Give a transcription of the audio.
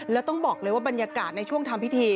แล้วต้องบอกเลยว่าบรรยากาศในช่วงทำพิธี